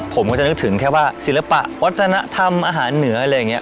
ผมก็จะนึกถึงแค่ว่าศิลปะวัฒนธรรมอาหารเหนืออะไรอย่างนี้